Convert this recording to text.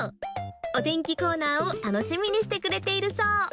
お天気コーナーを楽しみしてくれているそう。